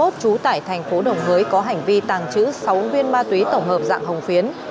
trú tại thành phố đồng hới có hành vi tàng trữ sáu viên ma túy tổng hợp dạng hồng phiến